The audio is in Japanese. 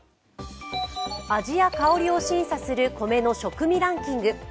味や香りを審査する米の食味ランキング。